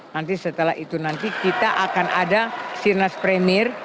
nanti setelah itu nanti kita akan ada sirnas premier